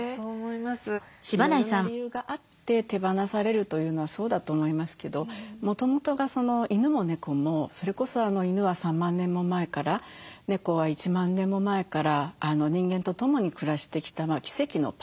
いろいろな理由があって手放されるというのはそうだと思いますけどもともとが犬も猫もそれこそ犬は３万年も前から猫は１万年も前から人間とともに暮らしてきた奇跡のパートナーなんですよね。